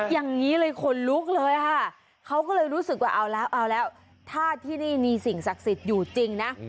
อย่างนี้เลยขนลุกเลยค่ะเขาก็เลยรู้สึกว่าเอาแล้วเอาแล้วถ้าที่นี่มีสิ่งศักดิ์สิทธิ์อยู่จริงนะ